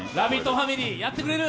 ファミリーやってくれる？